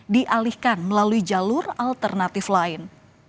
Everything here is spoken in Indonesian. dialihkan melalui jalur alternatif lain